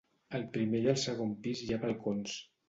Al primer i al segon pis hi ha balcons.